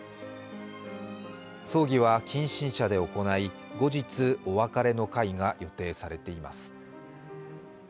葬儀は近親者で行い後日、お別れの会が予定されています。